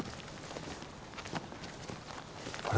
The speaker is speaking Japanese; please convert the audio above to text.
あれ？